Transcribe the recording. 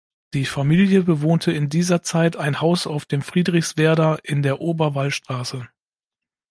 Die Familie bewohnte in dieser Zeit ein Haus auf dem Friedrichswerder, in der Ober-Wallstraße.